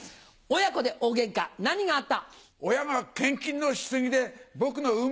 親子で大ゲンカ何があった？